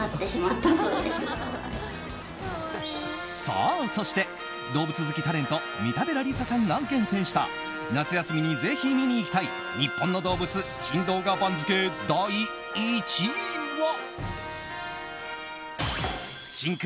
さあ、そして動物好きタレント三田寺理紗さんが厳選した夏休みに、ぜひ見に行きたい日本の動物珍動画番付、第１位は。